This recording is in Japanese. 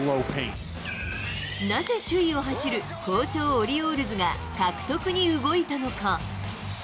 なぜ首位を走る好調オリオールズが、獲得に動いたのか。